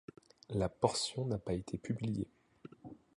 La partition n'a pas été publiée.